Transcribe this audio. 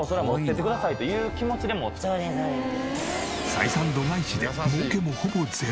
採算度外視で儲けもほぼゼロ。